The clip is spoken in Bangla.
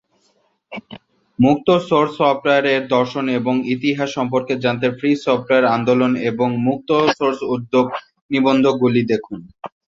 মুক্ত সোর্স সফটওয়্যার এর দর্শন এবং ইতিহাস সম্পর্কে জানতে ফ্রি সফটওয়্যার আন্দোলন এবং মুক্ত সোর্স উদ্যোগ নিবন্ধগুলি দেখুন।